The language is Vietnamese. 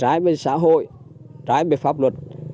trái về xã hội trái về pháp luật